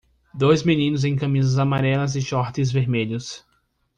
Dois meninos em camisas amarelas e shorts vermelhos.